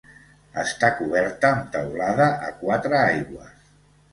Està coberta amb teulada a quatre aigües.